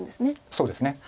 そうですね。